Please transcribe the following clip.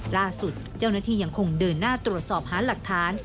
ล่าสุดเจ้าหน้าที่ยังคงเดินหน้าตรวจสอบหาหลักฐาน